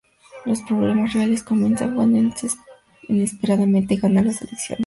Los problemas reales comienzan cuando, inesperadamente, gana las elecciones.